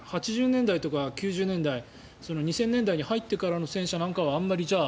８０年代とか９０年代２０００年代に入ってからの戦車なんかはあまり。